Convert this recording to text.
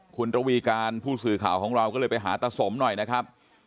คุณระวีการผู้สื่อข่าวของเราก็เลยไปหาตาสมหน่อยนะครับ